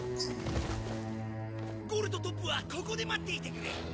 ゴルとトップはここで待っていてくれ。